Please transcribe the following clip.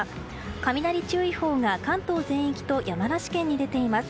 雷注意報が関東全域と山梨県に出ています。